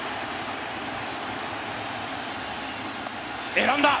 選んだ！